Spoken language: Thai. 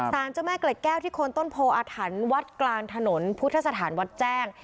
เจ้าแม่เกล็ดแก้วที่โคนต้นโพออาถรรพ์วัดกลางถนนพุทธสถานวัดแจ้ง